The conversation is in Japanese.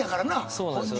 そうなんですよ。